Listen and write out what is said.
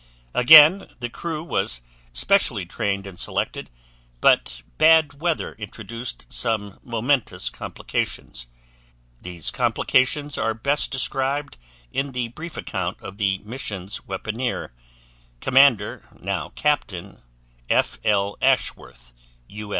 Again the crew was specially trained and selected; but bad weather introduced some momentous complications. These complications are best described in the brief account of the mission's weaponeer, Comdr., now Capt., F. L. Ashworth, U.